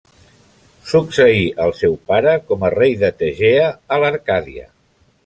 Succeí el seu pare com a rei de Tegea, a l'Arcàdia.